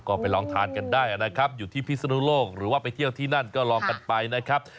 ก็ไปลองทานกันได้นะครับอยู่ที่พิศนุโลกหรือว่าไปเที่ยวที่นั่นก็ลองกันไปนะครับ